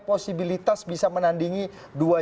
posibilitas bisa menandingi dua